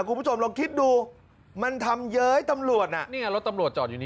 คุณผู้ชมลองคิดดูมันทำเย้ยตำรวจน่ะนี่ไงรถตำรวจจอดอยู่นี่